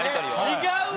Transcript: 違うわ！